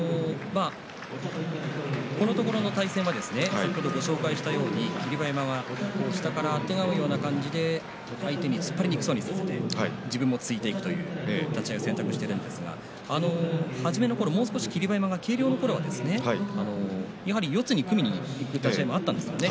このところの対戦は霧馬山は下からあてがうような感じで相手に突っ張りにくそうにさせて自分も突いていくという立ち合いを選択しているんですが始めのころ、もう少し霧馬山が軽量のころはやはり四つに組みにいく体勢もあったんですよね